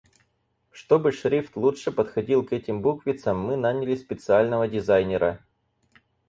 Чтобы шрифт лучше подходил к этим буквицам мы наняли специального дизайнера.